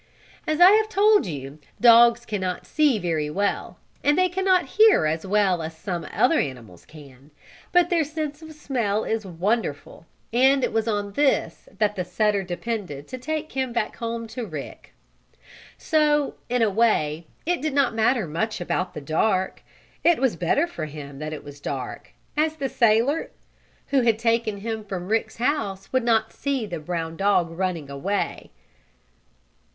As I have told you dogs can not see very well, and they can not hear as well as can some other animals. But their sense of smell is wonderful, and it was on this that the setter depended to take him back to home and Rick. So, in a way, it did not matter much about the dark. It was better for him that it was dark, as the sailor who had taken him from Rick's house would not see the brown dog running away.